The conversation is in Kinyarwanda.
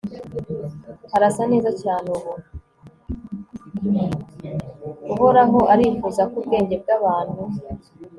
Uhoraho arifuza ko ubwenge bwabantu